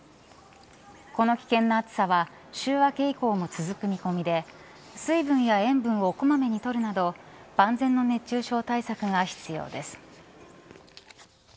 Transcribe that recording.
この危険な暑さは週明け以降も続く見込みで水分や塩分を小まめに取るなど万全の熱中症対策が必要です。